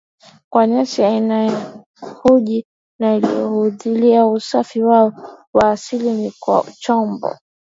kwa nyasi aina ya hunji na lihanuUsafiri wao wa asili ni kwa chombo